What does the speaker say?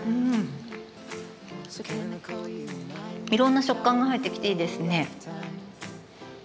いろんな食感が入ってきていいですね。